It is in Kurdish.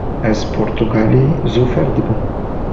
Ez portugalî zû fêr dibim.